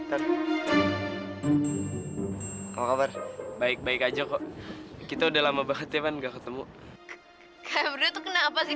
hai apa kabar baik baik aja kok kita udah lama banget ya kan gak ketemu kembali tuh kenapa sih